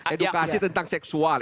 edukasi tentang seksual